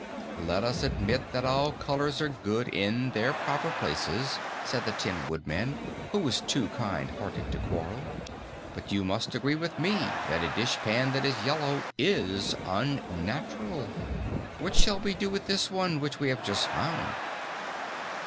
"Let us admit that all colors are good in their proper places," said the Tin Woodman, who was too kind hearted to quarrel, "but you must agree with me that a dishpan that is yellow is unnatural. What shall we do with this one, which we have just found?"